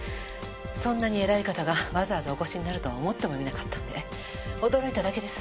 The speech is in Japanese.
そんなに偉い方がわざわざお越しになるとは思ってもみなかったんで驚いただけです。